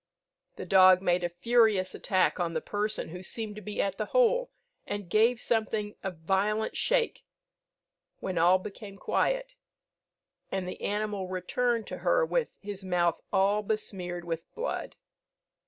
The dog made a furious attack on the person who seemed to be at the hole, and gave something a violent shake, when all became quiet, and the animal returned to her with his mouth all besmeared with blood.